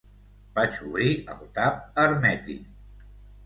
Vaig obrir el tap hermètic.